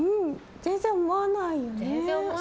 全然思わないね。